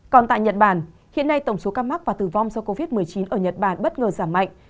còn tại nhật bản hiện nay tổng số ca mắc và tử vong do covid một mươi chín ở nhật bản bất ngờ giảm mạnh